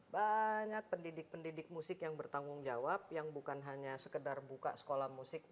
banyak pendidik pendidik musik yang bertanggung jawab yang bukan hanya sekedar buka sekolah musik